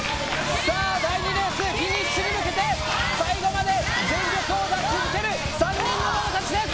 第２レースフィニッシュに向けて最後まで全力を出し続ける３人のママたちです！